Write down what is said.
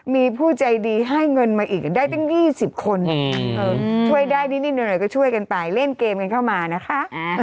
มีผู้ใจดีให้เงินมาอีกได้ตั้ง๒๐คนช่วยได้นิดหน่อยก็ช่วยกันไปเล่นเกมกันเข้ามานะคะ